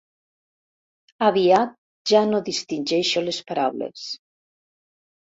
Aviat ja no distingeixo les paraules.